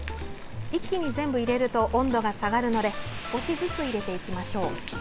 一気に全部入れると温度が下がるので少しずつ入れていきましょう。